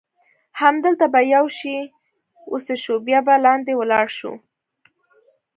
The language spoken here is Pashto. همدلته به یو شی وڅښو، بیا به لاندې ولاړ شو.